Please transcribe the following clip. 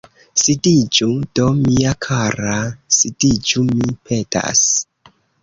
Sidiĝu do, mia kara, sidiĝu, mi petas!